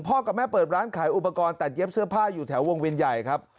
กับแม่เปิดร้านขายอุปกรณ์ตัดเย็บเสื้อผ้าอยู่แถววงเวียนใหญ่ครับ